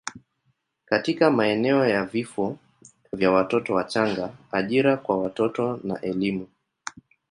katika maeneo ya vifo vya watoto wachanga, ajira kwa watoto na elimu.